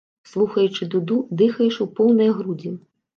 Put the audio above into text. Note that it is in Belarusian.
Слухаючы дуду, дыхаеш у поўныя грудзі.